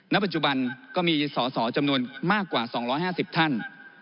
ปัจจุบันก็มีสอสอจำนวนมากกว่า๒๕๐ท่าน